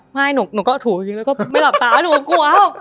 ไม่หนูหนูก็ขี่ไม่หลับตาหนูกลัว